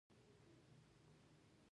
دوی دا پیسې په درې سلنه ګټه نورو ته ورکوي